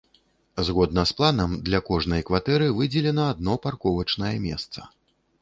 Згодна з планам, для кожнай кватэры выдзелена адно парковачнае месца.